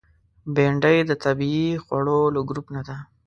بېنډۍ د طبیعي خوړو له ګروپ نه ده